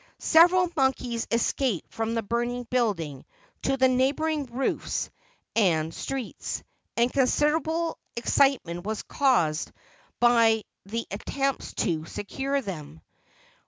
Several monkeys escaped from the burning building to the neighboring roofs and streets; and considerable excitement was caused by the attempts to secure them.